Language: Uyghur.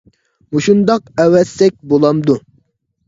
مۇشۇنداق ئەۋەتسەك بولامدۇ؟